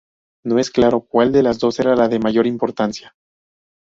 No es claro cual de las dos era la de mayor importancia.